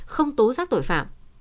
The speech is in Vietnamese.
không tố xác tội phạm